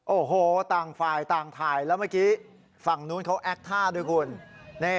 โอ้โหต่างฝ่ายต่างถ่ายแล้วเมื่อกี้ฝั่งนู้นเขาแอคท่าด้วยคุณ